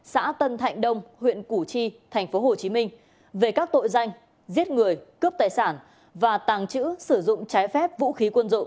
xã tân thạnh đông huyện củ chi tp hcm về các tội danh giết người cướp tài sản và tàng trữ sử dụng trái phép vũ khí quân dụng